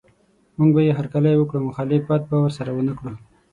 موږ به یې هرکلی وکړو او مخالفت به ورسره ونه کړو.